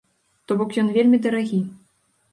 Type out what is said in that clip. То бок ён вельмі дарагі.